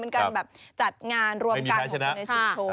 เป็นการแบบจัดงานรวมกันของคนในชุมโชนไม่มีแพ้ชนะ